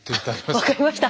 分かりました。